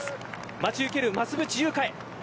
待ち受ける、増渕祐香へ。